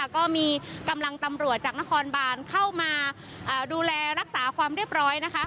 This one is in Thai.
ก็มีกำลังตำรวจจากนครบานเข้ามาดูแลรักษาความเรียบร้อย